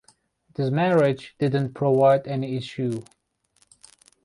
This marriage did not provide any issue.